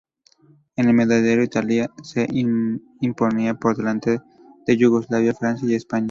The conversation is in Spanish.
En el medallero, Italia se imponía por delante de Yugoslavia, Francia y España.